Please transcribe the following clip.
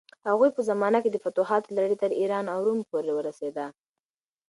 د هغوی په زمانه کې د فتوحاتو لړۍ تر ایران او روم پورې ورسېده.